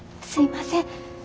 すいません。